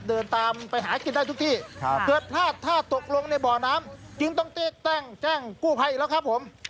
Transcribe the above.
เสื้อและเจนการตามไปหากินได้ทุกที่เคยเผลือผลาดท่าตกลงในบ่อน้ำจึงต้นติดแจ้งกู้ไภแล้วครับผม